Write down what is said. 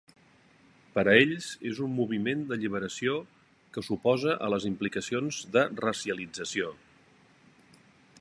Per a ells, és un moviment d'alliberació que s'oposa a les implicacions de "racialització".